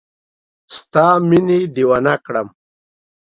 ستا مینې دیوانه کړم